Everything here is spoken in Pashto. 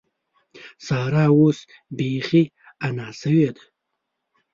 سارا اوس بېخي انا شوې ده.